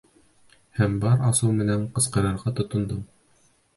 Һәм бар асыуым менән ҡысҡырырға тотондом.